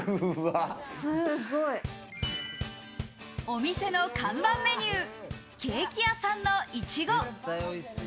すごい！お店の看板メニュー、ケーキ屋さんのイチゴ。